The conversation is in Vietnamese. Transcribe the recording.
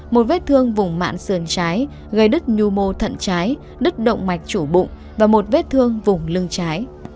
một vết thương vùng mạn sườn trái gây đứt nhu mô thận trái đứt động mạch chủ bụng và một vết thương vùng lưng trái